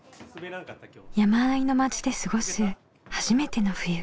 山あいの町で過ごす初めての冬。